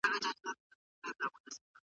کله چي نړیواله جګړه پیل سوه، هر څه بدل سول.